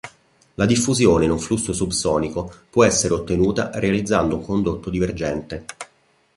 La diffusione in un flusso subsonico può essere ottenuta realizzando un condotto divergente.